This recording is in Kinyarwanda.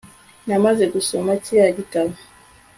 namaze gusoma kiriya gitabo